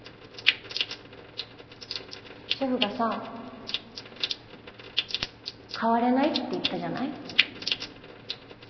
シェフがさ変われないって言ったじゃない。